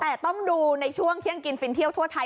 แต่ต้องดูในช่วงเที่ยงกินฟินเที่ยวทั่วไทย